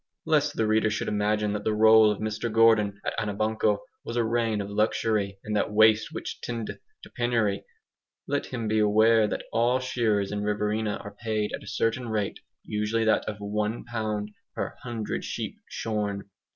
Lest the reader should imagine that the role of Mr Gordon at Anabanco was a reign of luxury and that waste which tendeth to penury, let him be aware that all shearers in Riverina are paid at a certain rate, usually that of ONE pound per hundred sheep shorn.